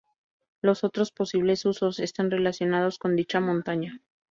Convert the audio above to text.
Los otros posibles usos están relacionados con dicha montaña.